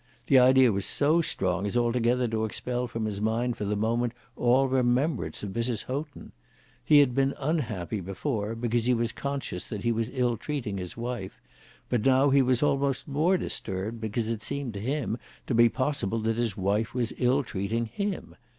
The idea was so strong as altogether to expel from his mind for the moment all remembrance of Mrs. Houghton. He had been unhappy before because he was conscious that he was illtreating his wife, but now he was almost more disturbed because it seemed to him to be possible that his wife was illtreating him.